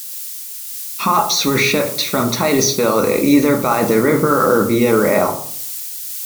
Hops were shipped from Titusville either by the river or via rail.